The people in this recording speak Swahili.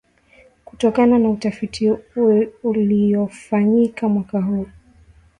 kutokana na utafiti uliyofanyika mwaka huu